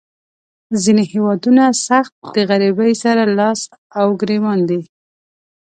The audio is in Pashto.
ځینې هیوادونه سخت د غریبۍ سره لاس او ګریوان دي.